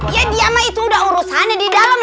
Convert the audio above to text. ya dia mah itu udah urusannya di dalam